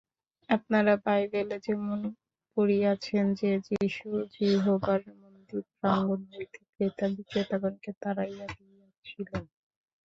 আপনারা বাইবেলে যেমন পড়িয়াছেন যে, যীশু যিহোবার মন্দির-প্রাঙ্গণ হইতে ক্রেতা-বিক্রেতাগণকে তাড়াইয়া দিয়াছিলেন।